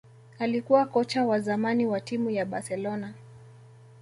alikuwa kocha wa zamani wa timu ya Barcelona